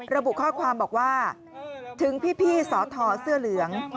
ระบุข้อความบอกว่าถึงพี่สอทอเสื้อเหลือง